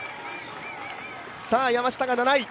山下が７位。